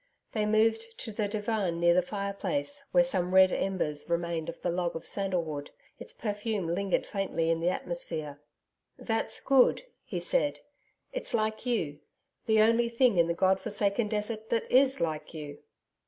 They moved to the divan near the fireplace, where some red embers remained of the log of sandalwood. Its perfume lingered faintly in the atmosphere. 'That's good,' he said. 'It's like you; the only thing in the god forsaken desert that IS like you.'